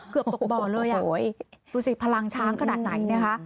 เกือบบอกบอกเลยอ่ะโอ้ยดูสิพลังช้างขนาดไหนเนี้ยค่ะ